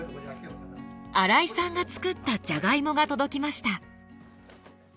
荒井さんが作ったジャガイモが届きました。